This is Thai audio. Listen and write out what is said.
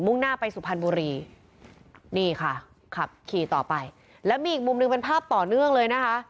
่งหน้าไปสุพรรณบุรีนี่ค่ะขับขี่ต่อไปแล้วมีอีกมุมหนึ่งเป็นภาพต่อเนื่องเลยนะคะ